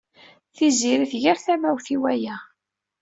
Tiziri tger tamawt i waya.